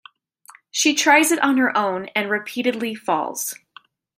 She tries it on her own and repeatedly falls.